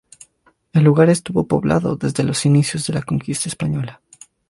El lugar estuvo poblado desde los inicios de la conquista española.